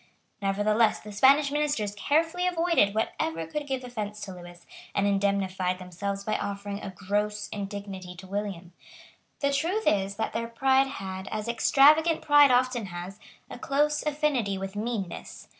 Nevertheless the Spanish ministers carefully avoided whatever could give offence to Lewis, and indemnified themselves by offering a gross indignity to William. The truth is that their pride had, as extravagant pride often has, a close affinity with meanness.